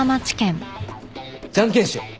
じゃんけんしよう！